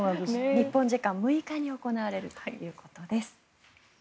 日本時間６日に行われるということです。